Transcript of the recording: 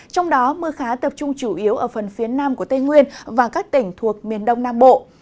trong đó mưa khá tập trung chủ yếu ở phần phía nam của tây nguyên và các tỉnh thuộc miền đông nam bộ